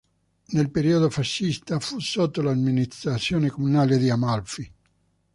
Nel periodo fascista fu sotto l'amministrazione comunale di Amalfi.